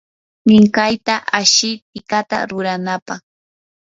minkayta ashi tikata ruranampaq.